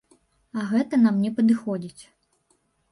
А гэта нам не падыходзіць.